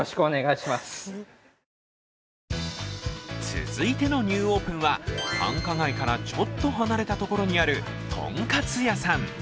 続いてのニューオープンは、繁華街からちょっと離れたところにある豚かつ屋さん。